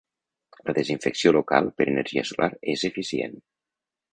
La desinfecció local per energia solar és eficient.